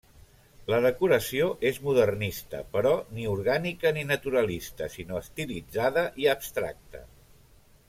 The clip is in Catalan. La decoració és modernista, però ni orgànica ni naturalista, sinó estilitzada i abstracta.